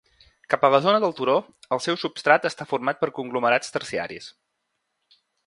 Cap a la zona del turó, el seu substrat està format per conglomerats terciaris.